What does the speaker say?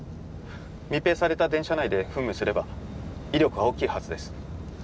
密閉された電車内で噴霧すれば威力は大きいはずです。